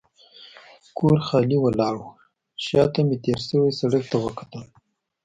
کور خالي ولاړ و، شا ته مې تېر شوي سړک ته وکتل.